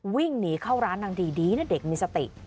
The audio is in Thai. วิ่งหนีเข้าร้านนางดีดีนะเด็กมีสติ